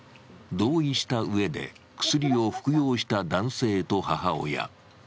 同意したうえで薬を服用した男性と母親。